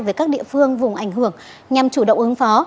về các địa phương vùng ảnh hưởng nhằm chủ động ứng phó